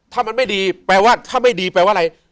ถ้ามันไม่ดีแปลว่าถ้าไม่ดีแปลว่าอะไร